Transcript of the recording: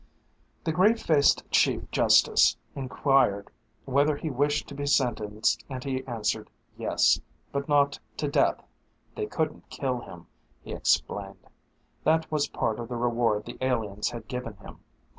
The gray faced Chief Justice inquired whether he wished to be sentenced and he answered yes, but not to death. They couldn't kill him, he explained. That was part of the reward the aliens had given him.